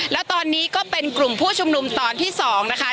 แล้วตอนนี้ก็เป็นกลุ่มผู้ชุมนุมตอนที่๒นะคะ